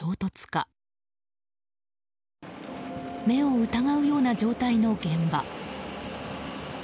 目を疑うような状態の現場。